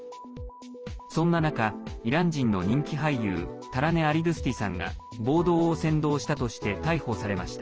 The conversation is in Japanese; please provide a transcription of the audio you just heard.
そんな中、イラン人の人気俳優タラネ・アリドゥスティさんが暴動を扇動したとして逮捕されました。